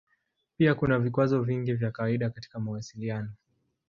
Pia kuna vikwazo vingi vya kawaida katika mawasiliano.